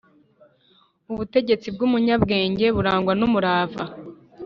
ubutegetsi bw’umunyabwenge burangwa n’umurava